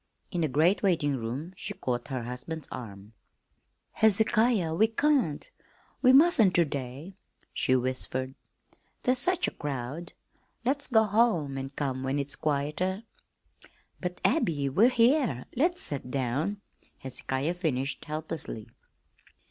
In the great waiting room she caught her husband's arm. "Hezekiah, we can't, we mustn't ter day," she whispered. "There's such a crowd. Let's go home an' come when it's quieter." "But, Abby, we here, let's set down," Hezekiah finished helplessly.